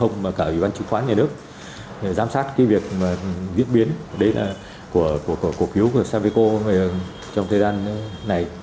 giám sát việc diễn biến của cổ phiếu sapeco trong thời gian này